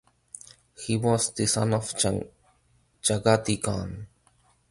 He was the son of Chagatai Khan.